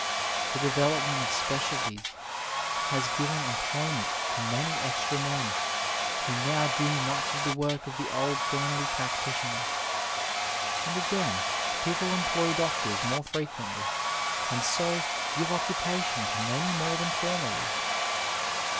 The development of specialties has given employment to many extra men who now do much of the work of the <Ad family practitioner, and again people employ doctors more frequency and so give occupation to many more than formerly.